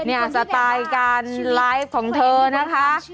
เนี่ยสไตล์การไลฟ์ของเธอนะคะ